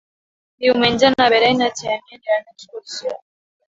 Diumenge na Vera i na Xènia aniran d'excursió.